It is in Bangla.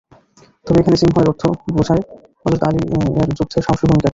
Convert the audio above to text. তবে এখানে "সিংহ" এর অর্থ বোষায় হযরত আলী এর যুদ্ধের সাহসী ভূমিকাকে।